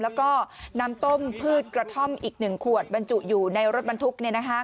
แล้วก็น้ำต้มพืชกระท่อมอีก๑ขวดบรรจุอยู่ในรถบรรทุก